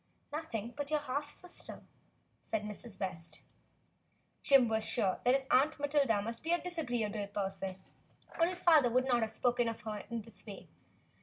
"Nothing but your half sister," said Mrs. West. Jim was sure that his Aunt Matilda must be a dis agreeable person, or his father would not have spoken of her in this way.